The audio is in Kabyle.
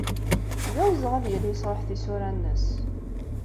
D awezɣi ad yili yesṛuḥ tisura-nnes.